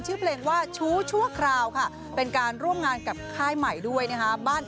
ชื่อเพลงว่าชู้ชั่วคราวค่ะเป็นการร่วมงานกับค่ายใหม่ด้วยนะคะ